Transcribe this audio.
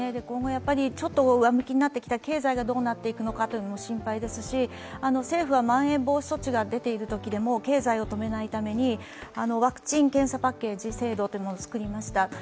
今後、上向きになってきた、経済がどうなっていくかも心配ですし政府はまん延防止措置が出ているときでも経済を止めないために、ワクチン・検査パッケージ制度をつくりました。